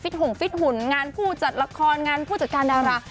หงฟิตหุ่นงานผู้จัดละครงานผู้จัดการดารา